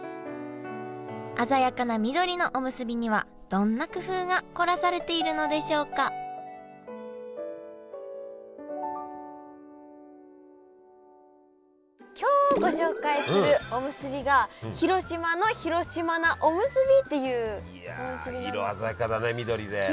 鮮やかな緑のおむすびにはどんな工夫が凝らされているのでしょうか今日ご紹介するおむすびが広島の広島菜おむすびっていうおむすびなんです。